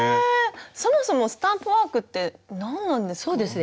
そもそもスタンプワークって何なんですか？